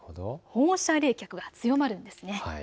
放射冷却が強まるんです。